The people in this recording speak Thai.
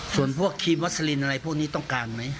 ส่วนพวกครีมวัสลินอะไรพวกนี้ต้องการไหม